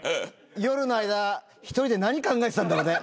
夜の間１人で何考えてたんだろうね。